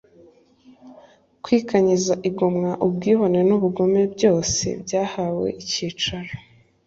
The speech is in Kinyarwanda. Kwikanyiza igomwa ubwibone nubugome byose byahawe icyicaro